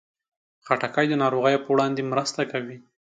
خټکی د ناروغیو پر وړاندې مرسته کوي.